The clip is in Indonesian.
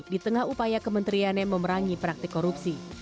di tengah upaya kementeriannya memerangi praktik korupsi